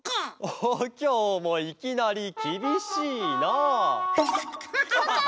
おおきょうもいきなりきびしいな。